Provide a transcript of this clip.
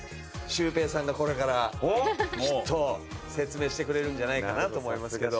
シュウペイさんがこれからきっと説明してくれるんじゃないかなと思いますけど。